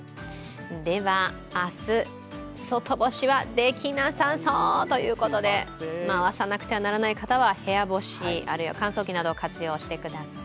では、明日、外干しはできなさそうということで、回さなくてはならない方は部屋干し、あるいは乾燥機などを活用してください。